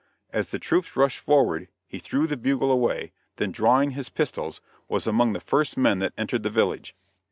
As the troops rushed forward, he threw the bugle away, then drawing his pistols, was among the first men that entered the village.